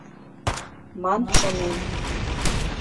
Ман шонен